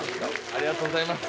ありがとうございます。